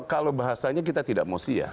kalau bahasanya kita tidak mosi ya